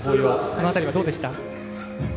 この辺りはどうでした？